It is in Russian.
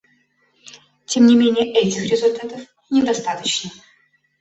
Тем не менее этих результатов недостаточно.